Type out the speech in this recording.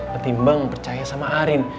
ketimbang percaya sama arin